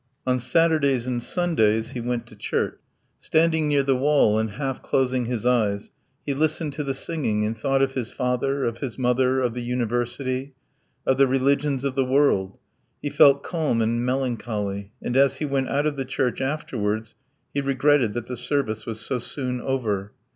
On Saturdays and Sundays he went to church. Standing near the wall and half closing his eyes, he listened to the singing and thought of his father, of his mother, of the university, of the religions of the world; he felt calm and melancholy, and as he went out of the church afterwards he regretted that the service was so soon over.